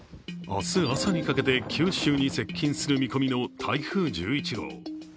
明日朝にかけて九州に接近する見込みの台風１１号。